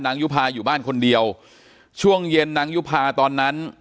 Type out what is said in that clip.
ยุภาอยู่บ้านคนเดียวช่วงเย็นนางยุภาตอนนั้น